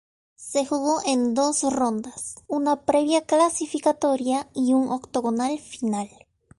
Se jugó en dos rondas, una previa clasificatoria y un octogonal final.